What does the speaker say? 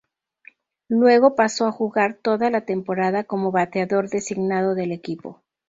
Luego pasó a jugar toda la temporada como bateador designado del equipo.